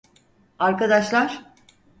Arkadaşlar?